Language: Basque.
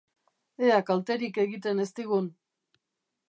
Ea kalterik egiten ez digun!